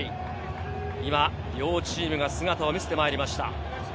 今、両チームが姿を見せてきました。